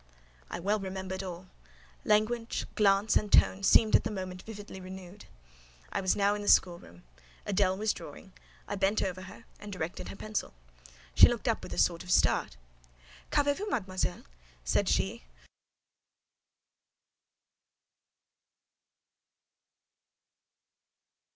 I well remembered all; language, glance, and tone seemed at the moment vividly renewed. I was now in the schoolroom; Adèle was drawing; I bent over her and directed her pencil. She looked up with a sort of start. "Qu'avez vous, mademoiselle?" said she.